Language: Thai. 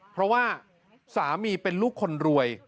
เพราะว่าสามีเป็นลูกคนรวย